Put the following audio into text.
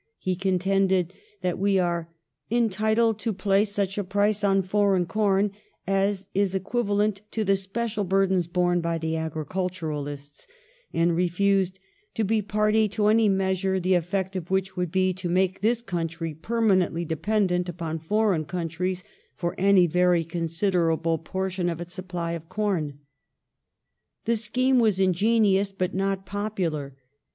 He contended that we are " entitled to place such a price on foreign com as is equiva lent to the special burdens borne by the agriculturists " and refused "to be a party to any measure the eff'ect of which would be to make this country permanently dependent upon foreign countries for any very considerable portion of its supply of corn ".^ The scheme was ingenious but not popular.